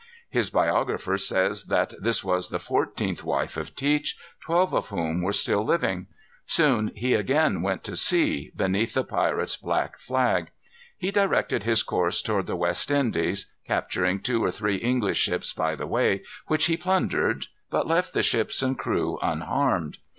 His biographer says that this was the fourteenth wife of Teach, twelve of whom were still living. Soon he again went to sea, beneath the pirate's black flag. He directed his course toward the West Indies, capturing two or three English ships by the way, which he plundered, but left the ships and crew unharmed.